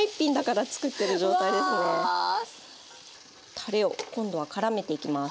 たれを今度はからめていきます。